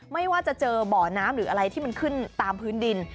ไม่ว่าจะเจอบ่อน้ำหรืออะไรที่มันขึ้นตามพื้นดิน